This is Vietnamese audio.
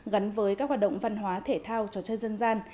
gắn với các hoạt động văn hóa thể thao trò chơi dân gian